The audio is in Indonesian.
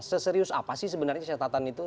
seserius apa sih sebenarnya catatan itu